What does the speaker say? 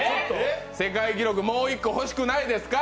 世界記録もう一個欲しくないですか。